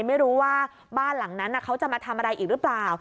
ไม่รู้ว่าบ้านหลังนั้นเขาจะมาทำอะไรอีกหรือเปล่า